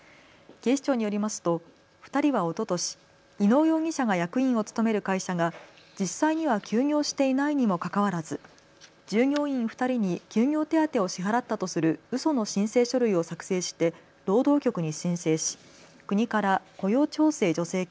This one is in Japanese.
警視庁によりますと２人はおととし、伊能容疑者が役員を務める会社が実際には休業していないにもかかわらず従業員２人に休業手当を支払ったとするうその申請書類を作成して労働局に申請し国から雇用調整助成金